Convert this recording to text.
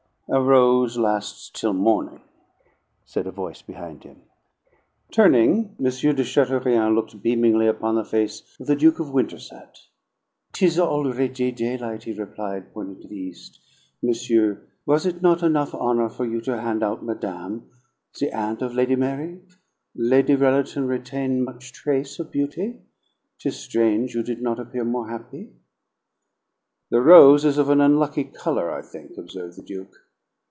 "A rose lasts till morning," said a voice behind him. Turning, M. de Chateaurien looked beamingly upon the face of the Duke of Winterset. "'Tis already the daylight," he replied, pointing to the east. "Monsieur, was it not enough honor for you to han' out madame, the aunt of Lady Mary? Lady Rellerton retain much trace of beauty. 'Tis strange you did not appear more happy." "The rose is of an unlucky color, I think," observed the Duke.